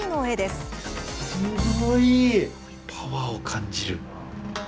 すごい！パワーを感じる。